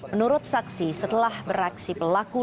menurut saksi setelah beraksi pelaku